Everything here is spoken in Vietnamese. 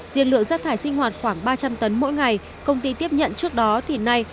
diện lượng rác thải sinh hoạt khoảng ba trăm linh tấn mỗi ngày công ty tiếp nhận trước đó thì nay